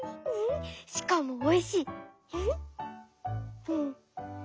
しかもおいしい」。